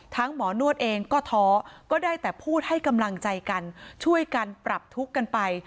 หมอนวดเองก็ท้อก็ได้แต่พูดให้กำลังใจกันช่วยกันปรับทุกข์กันไป